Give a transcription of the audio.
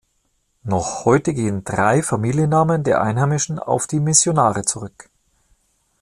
Noch heute gehen drei Familiennamen der Einheimischen auf die Missionare zurück.